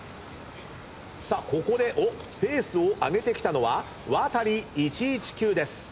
さあここでおっペースを上げてきたのはワタリ１１９です。